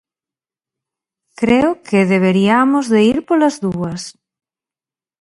Creo que deberiamos de ir polas dúas.